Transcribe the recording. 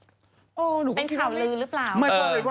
เป็นข่าวลือหรือเปล่า